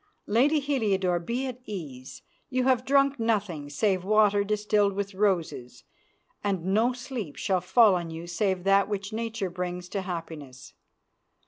Lady Heliodore, be at ease. You have drunk nothing save water distilled with roses, and no sleep shall fall on you save that which Nature brings to happiness.